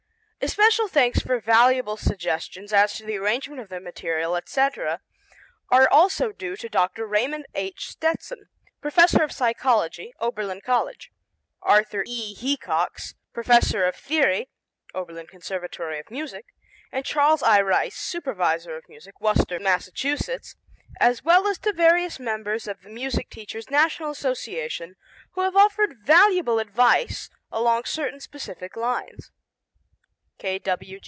Especial thanks for valuable suggestions as to the arrangement of the material, etc., are also due to Dr. Raymond H. Stetson, Professor of Psychology, Oberlin College; Arthur E. Heacox, Professor of Theory, Oberlin Conservatory of Music; and Charles I. Rice, Supervisor of Music, Worcester, Mass., as well as to various members of the Music Teachers' National Association who have offered valuable advice along certain specific lines.